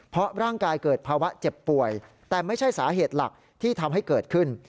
เพราะร่างกายเกิดภาวะเจ็บป่วยแต่ไม่ใช่สาเหตุหลักที่ทำให้เกิดขึ้น